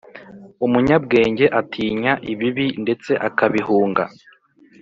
umunyabwenge atinya ibibi ndetse akabihunga,